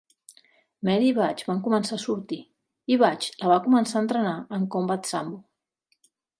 Mary i Butch van començar a sortir, i Butch la va començar a entrenar en Combat Sambo.